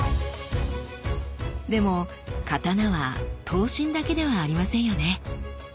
でも刀は刀身だけではありませんよね。